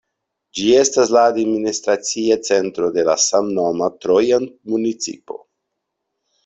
Ĝi estas la administracia centro de la samnoma Trojan Municipo.